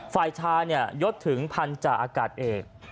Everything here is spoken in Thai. ฝ่ายชายยดถึงพันธาอากาศเอก